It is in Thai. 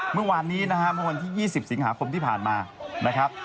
เมื่อวานนี้นะฮะเมื่อวันที่๒๐สิงหาคมที่ผ่านมานะครับ